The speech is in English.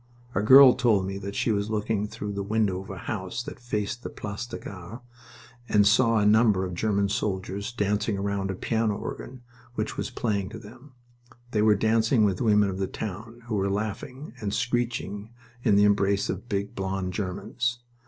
A girl told me that she was looking through the window of a house that faced the Place de la Gare, and saw a number of German soldiers dancing round a piano organ which was playing to them. They were dancing with women of the town, who were laughing and screeching in the embrace of big, blond Germans.